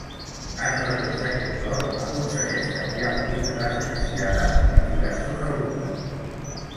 A través d'aquest cor aconsegueix canviar la vida desgraciada de diversos alumnes.